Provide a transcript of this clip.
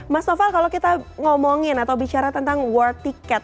mas noval kalau kita ngomongin atau bicara tentang world ticket